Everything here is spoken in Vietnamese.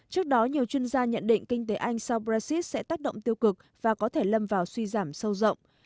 trước đó nhiều chuyên gia nhận định kinh tế anh sau brexit sẽ tác động tiêu cực và có thể lâm vào suy giảm sâu rộng